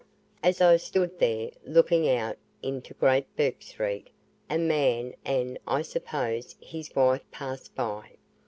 As I stood there, looking out into Great Bourke Street, a man and, I suppose, his wife passed by.